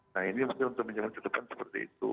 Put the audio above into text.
nah ini mungkin untuk pinjaman ketepan seperti itu